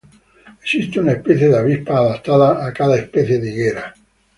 Existe una especie de avispas adaptada a cada especie de higuera.